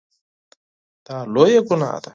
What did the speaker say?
دا لویه ګناه ده.